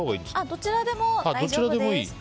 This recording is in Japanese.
どちらでも大丈夫です。